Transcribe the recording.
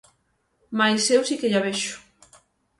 Mais eu si que lla vexo.